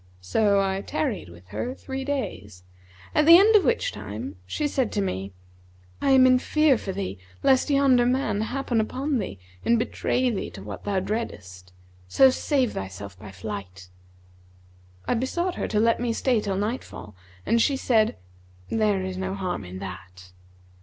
So I tarried with her three days, at the end of which time she said to me, 'I am in fear for thee, lest yonder man happen upon thee and betray thee to what thou dreadest; so save thyself by flight.' I besought her to let me stay till nightfall, and she said, 'There is no harm in that.'